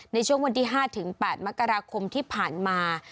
ในช่วงวันที่๕๘มกราคมที่ผ่านมา